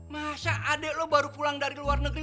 masa adik lo baru pulang dari luar negeri